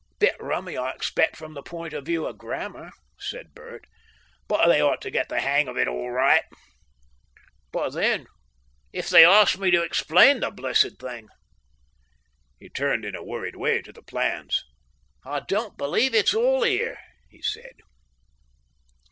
"Bit rummy, I expect, from the point of view of grammar," said Bert, "but they ought to get the hang of it all right. "But then, if they arst me to explain the blessed thing?" He returned in a worried way to the plans. "I don't believe it's all here!" he said....